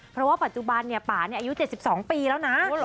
เพราะว่าปัจจุบันป่าอายุ๗๒ปีแล้วนะ